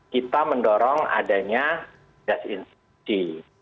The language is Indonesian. kita mendorong adanya gas institusi